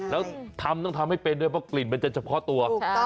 แล้วทำต้องทำให้เป็นด้วยเพราะกลิ่นมันจะเฉพาะตัว